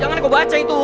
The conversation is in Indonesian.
jangan kau baca itu